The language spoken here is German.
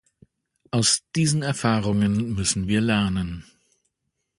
Aus diesen Erfahrungen müssen wir lernen.